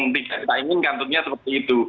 tentunya seperti itu